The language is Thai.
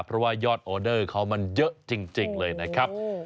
เพราะว่ายอดออเดอร์เขามันเยอะจริงเลยนะครับ